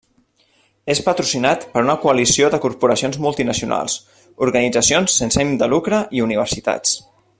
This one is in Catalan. És patrocinat per una coalició de corporacions multinacionals, organitzacions sense ànim de lucre i universitats.